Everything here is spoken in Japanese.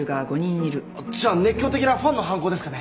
じゃあ熱狂的なファンの犯行ですかね？